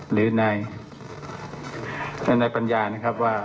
หรือในนายปัญญานะครับ